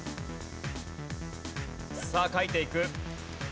さあ書いていく。